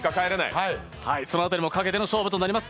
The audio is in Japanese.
その辺りもかけての勝負となります。